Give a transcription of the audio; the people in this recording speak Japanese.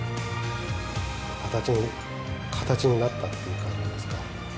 形に形になったっていう感じですか。